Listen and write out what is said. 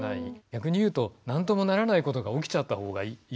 逆に言うと何ともならないことが起きちゃったほうがいいぐらい。